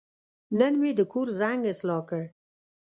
نن مې د کور زنګ اصلاح کړ.